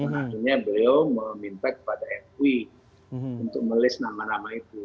makanya beliau meminta kepada fwi untuk melist nama nama itu